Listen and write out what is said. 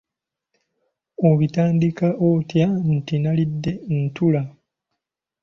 Obitandika otya nti nnalidde ntula?`